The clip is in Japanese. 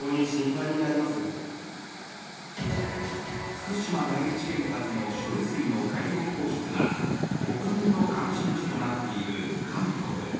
福島第一原発の処理水の海洋放出が国民の関心事となっている韓国。